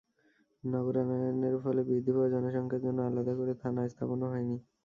নগরায়ণের ফলে বৃদ্ধি পাওয়া জনসংখ্যার জন্য আলাদা করে থানা স্থাপনও হয়নি।